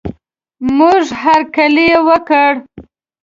موږ هر کلی یې وکړ.